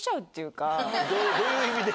どういう意味で？